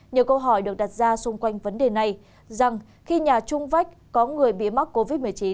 nhiều câu hỏi được đặt ra xung quanh vấn đề này rằng khi nhà trung vách có người bị mắc covid một mươi chín